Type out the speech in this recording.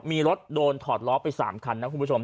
มีรถโดนถอดล้อไป๓คันนะคุณผู้ชม